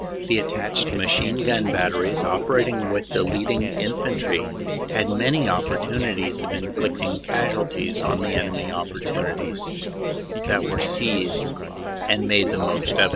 The attached machine gun batteries operating with the leading in fantry had many opportunities of inflicting casualties on the enemy opportunities that were seized and made the most of.